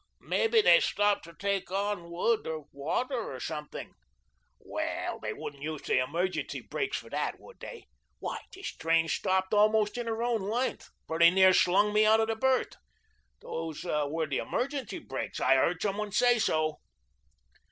"Maybe they stopped to take on wood or water, or something." "Well, they wouldn't use the emergency brakes for that, would they? Why, this train stopped almost in her own length. Pretty near slung me out the berth. Those were the emergency brakes. I heard some one say so."